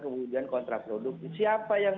kemudian kontrak produk siapa yang